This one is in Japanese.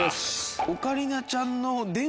オカリナちゃんの。